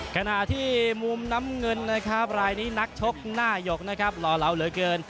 ขณะที่มุมน้ำเงินนะครับรายนี้นักชกหน้าหยกนะครับหล่อเหลาเหลือเกิน